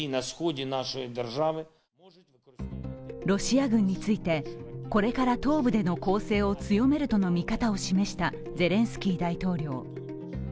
ロシア軍について、これから東部での攻勢を強めるとの見方を示したゼレンスキー大統領。